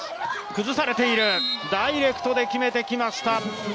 崩されている、ダイレクトで決めてきました。